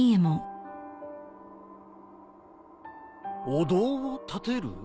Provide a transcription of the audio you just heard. お堂を建てる？